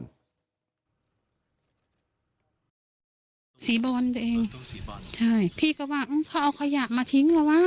สีบอลตัวเองพี่ก็ว่าเขาเอาขยะมาทิ้งหรือวะ